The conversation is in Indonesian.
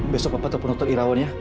besok papa telepon totol irawan ya